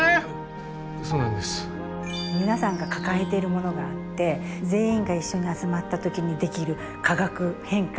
皆さんが抱えているものがあって全員が一緒に集まった時にできる化学変化